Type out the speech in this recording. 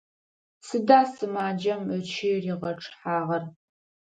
Сыда сымаджэм ычый ригъэчъыхьагъэр?